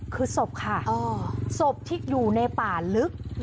คือศพค่ะศพที่อยู่ในป่าลึก